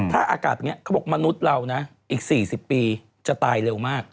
ถ้าอากาศแบบนี้เขาบอกมนุษย์เรานะอีก๔๐ปีจะตายเร็วมาก